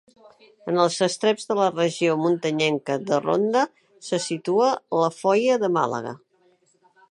En els estreps de la Regió Muntanyenca de Ronda se situa la Foia de Màlaga.